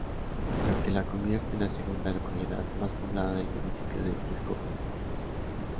Lo que la convierte en la segunda localidad más poblada del municipio de Texcoco.